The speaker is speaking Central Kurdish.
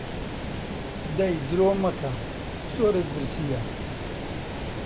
دەی درۆ مەکە، زۆرت برسییە